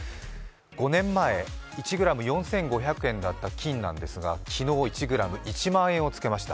５年前、１ｇ＝４５０円だった金なんですが、昨日、１ｇ＝１万円をつけました。